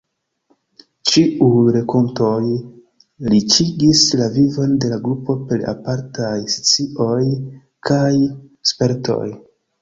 Ĉiuj renkontoj riĉigis la vivon de la Grupo per apartaj scioj kaj spertoj.